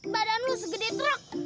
badan lu segede truk